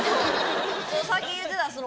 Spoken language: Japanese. さっき言うてたその。